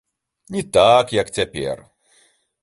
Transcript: Не так, як цяпер.